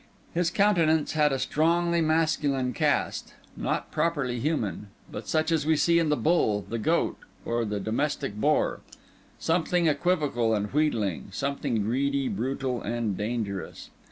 His countenance had a strongly masculine cast; not properly human, but such as we see in the bull, the goat, or the domestic boar; something equivocal and wheedling, something greedy, brutal, and dangerous.